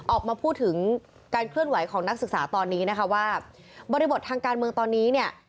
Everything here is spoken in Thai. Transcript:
ออกมาพูดถึงการเคลื่อนไหวของนักศึกษาตอนนี้นะคะว่าบริบททางการเมืองตอนนี้เนี่ย